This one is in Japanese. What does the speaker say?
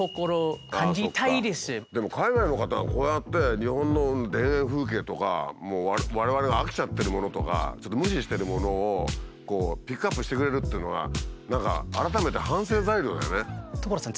でも海外の方がこうやって日本の田園風景とかもう我々が飽きちゃってるものとかちょっと無視してるものをピックアップしてくれるっていうのが何か所さん